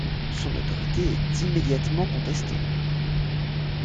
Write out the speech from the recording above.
Son autorité est immédiatement contestée.